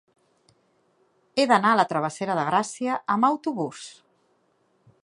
He d'anar a la travessera de Gràcia amb autobús.